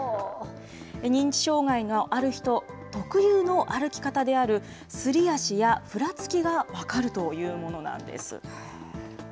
認知障害のある人特有の歩き方である、すり足やふらつきが分かるというものなんです。